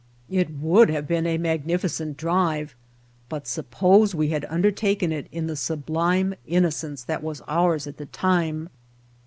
It would have been a magnificent drive, but sup pose we had undertaken it in the sublime inno cence that was ours at the time!